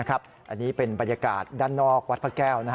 อันนี้เป็นบรรยากาศด้านนอกวัดพระแก้ว